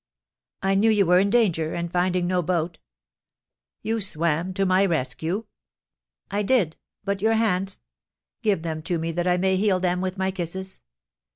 "I knew you were in danger, and finding no boat " "You swam to my rescue?" "I did. But your hands? Give them to me that I may heal them with my kisses!